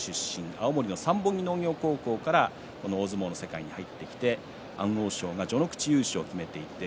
青森の三本木農業高校からこの大相撲の世界に入って安大翔が序ノ口優勝を決めています。